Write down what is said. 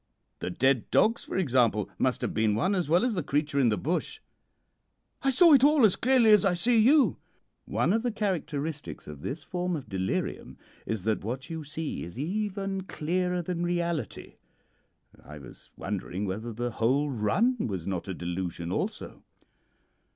The dead dogs, for example, must have been one as well as the creature in the bush.' "'I saw it all as clearly as I see you.' "'One of the characteristics of this form of delirium is that what you see is even clearer than reality. I was wondering whether the whole run was not a delusion also.'